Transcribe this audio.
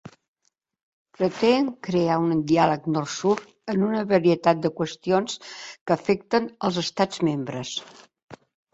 Pretén crear un diàleg nord-sud en una varietat de qüestions que afecten els Estats membres.